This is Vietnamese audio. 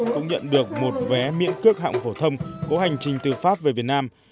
cũng nhận được một vé miễn cước hạng phổ thâm của hành trình từ pháp về việt nam